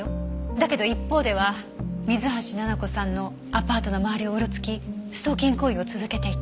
だけど一方では水橋奈々子さんのアパートの周りをうろつきストーキング行為を続けていた。